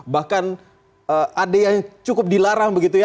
bahkan ada yang cukup dilarang begitu ya